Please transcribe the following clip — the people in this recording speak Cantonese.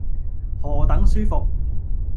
何等舒服。